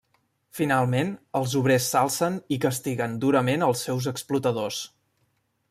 Finalment, els obrers s'alcen i castiguen durament als seus explotadors.